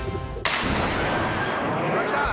「ほらきた！」